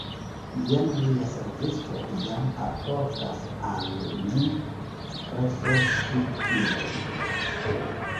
Jen lia servisto jam alportas al ni refreŝigilojn.